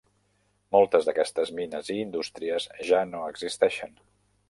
Moltes d'aquestes mines i indústries ja no existeixen.